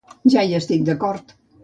Ja hi estic d’acord.